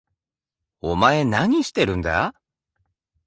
お前何してるんだ？